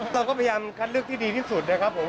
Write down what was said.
เราก็พยายามคัดเลือกที่ดีที่สุดนะครับผม